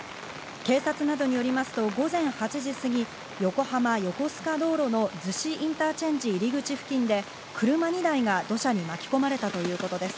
警察などによりますと午前８時過ぎ、横浜横須賀道路の逗子インターチェンジ入口付近で車２台が土砂に巻き込まれたということです。